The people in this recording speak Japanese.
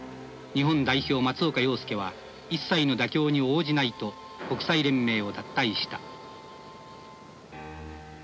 日本代表松岡洋右は一切の妥協に応じないと国際連盟を脱退した。